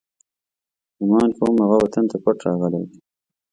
ګمان کوم، هغه وطن ته پټ راغلی دی.